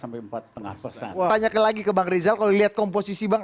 pertanyaan lagi ke bang rizal kalau lihat komposisi bang